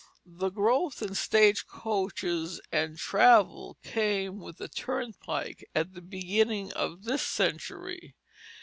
The growth in stage coaches and travel came with the turnpike at the beginning of this century.